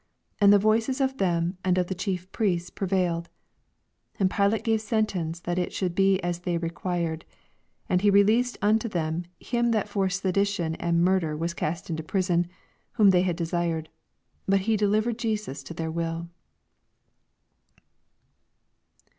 And the voices of them and of the Chief Priests prevmled. 24 And Pilate gave sentence that it should be as they required. 25 And he released unto them him that for sedition and murder was cast into prison, whom they had desired ; but he delivered Jesus to their will.